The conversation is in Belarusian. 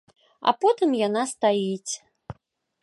А потым яна стаіць.